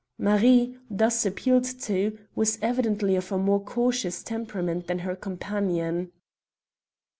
Marie, thus appealed to, was evidently of a more cautious temperament than her companion.